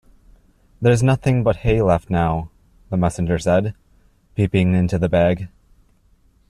‘There’s nothing but hay left now,’ the Messenger said, peeping into the bag.